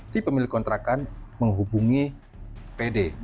si pemilik kontrakan menghubungi pd